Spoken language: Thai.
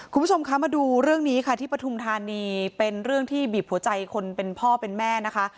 คุณผู้ชมคะมาดูเรื่องนี้ค่ะที่ปฐุมธานีเป็นเรื่องที่บีบหัวใจคนเป็นพ่อเป็นแม่นะคะ